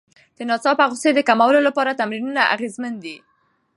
د ناڅاپه غوسې د کمولو لپاره تمرینونه اغېزمن دي.